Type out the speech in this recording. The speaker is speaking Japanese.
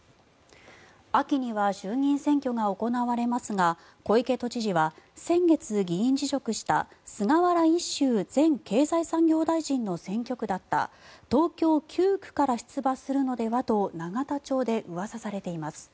秋には衆議院選挙が行われますが小池都知事は先月、議員辞職した菅原一秀前経済産業大臣の選挙区だった東京９区から出馬するのではと永田町でうわさされています。